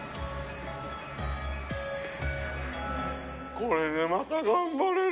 これでまた頑張れる。